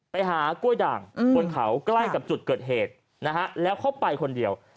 ไปหากล้วยด่างบนเขาใกล้กับจุดเกิดเหตุนะฮะแล้วเขาไปคนเดียว